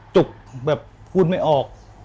จุกแบบพูดไม่ออก